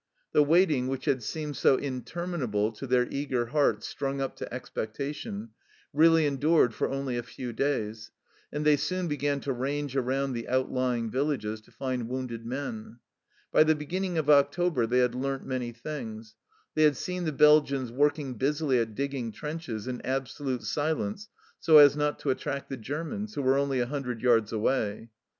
The waiting, which had seemed so interminable to their eager hearts strung up to expectation, really endured for only a few days, and they soon began to range around the outlying villages to find wounded men. By the beginning of October they had learnt many things. They had seen the Belgians working busily at digging trenches, in absolute silence, so as not to attract the Germans, who were only a hundred yards away.